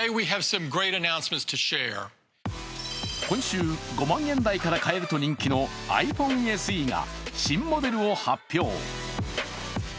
今週、５万円台から買えると人気のｉＰｈｏｎｅＳＥが新モデルを発表。